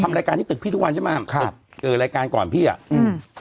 รายการที่ตึกพี่ทุกวันใช่ไหมครับตึกเอ่อรายการก่อนพี่อ่ะอืม